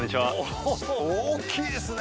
おー大きいですね！